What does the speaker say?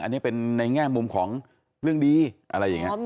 อันนี้เป็นในแง่มุมของเรื่องดีอะไรอย่างนี้